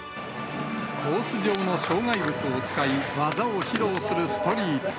コース上の障害物を使い、技を披露するストリート。